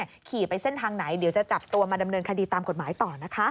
ขี่ไปเส้นทางไหนเดี๋ยวจะจับตัวมาดำเนินคดีตามกฎหมายต่อนะคะ